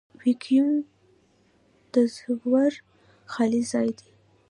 ویکیوم د ذرّو خالي ځای دی.